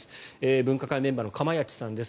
分科会メンバーの釜萢さんです。